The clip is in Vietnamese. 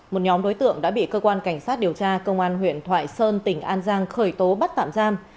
một nhóm đối tượng đã bị cơ quan cảnh sát điều tra công an huyện thoại sơn tỉnh an giang khởi tố bắt tạm giam